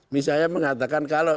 misalnya mengatakan kalau